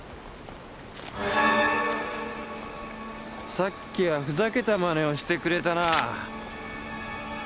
さっきはふざけた真似をしてくれたな。